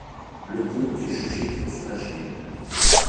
Le pont est jugé trop fragile.